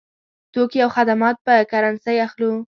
توکي او خدمات په کرنسۍ اخلو.